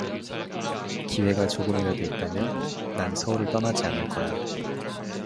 기회가 조금이라도 있다면 난 서울을 떠나지 않을 거야.